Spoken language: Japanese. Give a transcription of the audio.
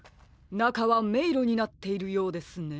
なかはめいろになっているようですね。